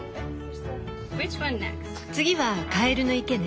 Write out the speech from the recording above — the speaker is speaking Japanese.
次はカエルの池ね。